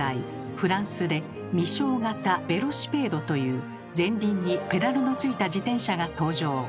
フランスで「ミショー型べロシぺード」という前輪にペダルのついた自転車が登場。